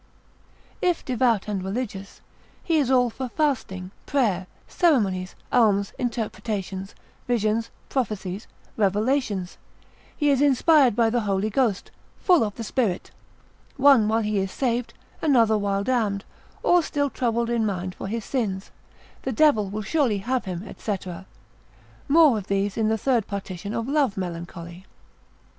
If devout and religious, he is all for fasting, prayer, ceremonies, alms, interpretations, visions, prophecies, revelations, he is inspired by the Holy Ghost, full of the spirit: one while he is saved, another while damned, or still troubled in mind for his sins, the devil will surely have him, &c. more of these in the third partition of love melancholy.